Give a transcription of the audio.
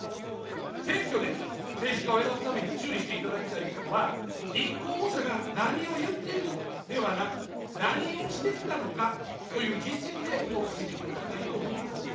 選挙で政治家を選ぶために注意していただきたいことは、立候補者が何を言っているのかではなく、何をしてきたのかという実績で評価していただきたいと思います。